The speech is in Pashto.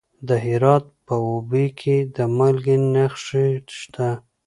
د هرات په اوبې کې د مالګې نښې شته.